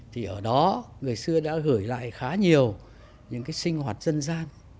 thì ở đó người xưa đã gửi lại khá nhiều những cái sinh hoạt dân gian